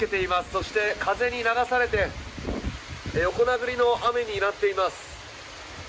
そして、風に流されて横殴りの雨になっています。